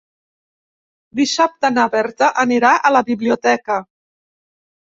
Dissabte na Berta anirà a la biblioteca.